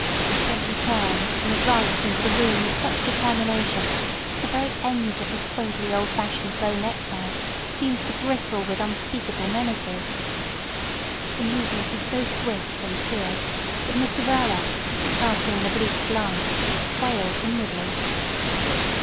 Then he turned, and advanced into the room with such determination that the very ends of his quaintly old fashioned bow necktie seemed to bristle with unspeakable menaces. The movement was so swift and fierce that Mr Verloc, casting an oblique glance, quailed inwardly.